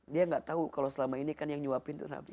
dia nggak tahu kalau selama ini kan yang nyuapin itu nabi